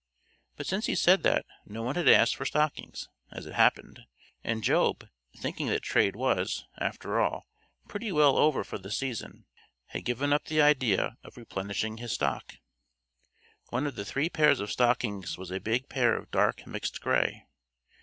But since he said that, no one had asked for stockings, as it happened, and Job, thinking that trade was, after all, pretty well over for the season, had given up the idea of replenishing his stock. One of the three pairs of stockings was a big pair of dark mixed gray.